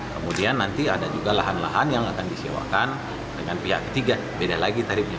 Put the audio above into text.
kemudian nanti ada juga lahan lahan yang akan disewakan dengan pihak ketiga beda lagi tarifnya